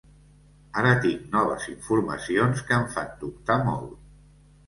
Ara tinc noves informacions que em fan dubtar molt.